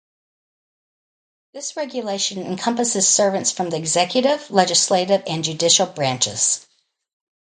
This regulation encompasses servants from the executive, legislative and judicial branches.